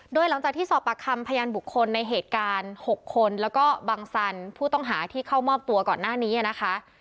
โดยหลังจากที่สอบปากคำพยานบุคคลในเหตุการณ์๖คนแล้วก็บังสันผู้ต้องหาที่เข้ามอบตัวก่อนหน้านี้นะคะ